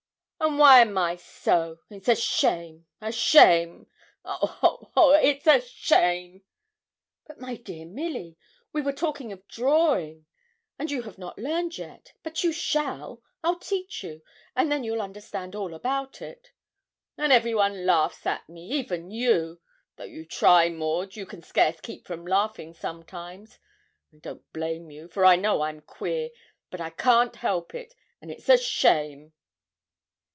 An' why am I so? It's a shame a shame! Oh, ho, ho! it's a shame!' 'But, my dear Milly, we were talking of drawing, and you have not learned yet, but you shall I'll teach you; and then you'll understand all about it.' 'An' every one laughs at me even you; though you try, Maud, you can scarce keep from laughing sometimes. I don't blame you, for I know I'm queer; but I can't help it; and it's a shame.'